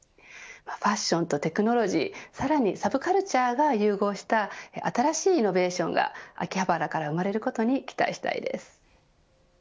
ファッションとテクノロジーさらにサブカルチャーが融合した新しいイノベーションが秋葉原から生まれることに期待したいです。